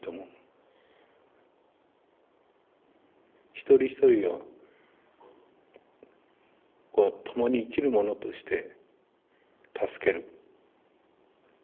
一人一人をともに生きる者として助ける。